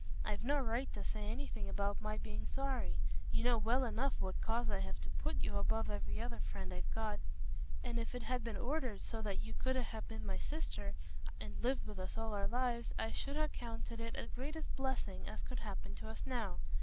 I've no right to say anything about my being sorry: you know well enough what cause I have to put you above every other friend I've got; and if it had been ordered so that you could ha' been my sister, and lived with us all our lives, I should ha' counted it the greatest blessing as could happen to us now.